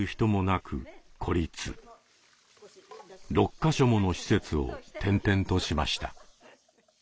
６か所もの施設を転々としました。